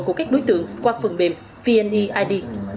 của các đối tượng qua phần mềm vneid